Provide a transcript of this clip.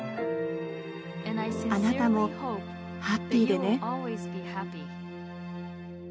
あなたもハッピーでね。